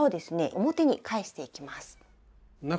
表に返していきます。